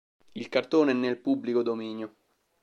Il cartone è nel pubblico dominio.